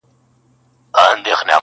o ښه او بد د قاضي ټول ورته عیان سو,